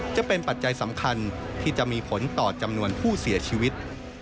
ปัจจัยสำคัญที่จะมีผลต่อจำนวนผู้เสียชีวิต